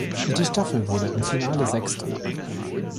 Die Staffel wurde im Finale Sechste.